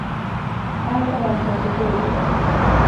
Allt har vänt sig till godo.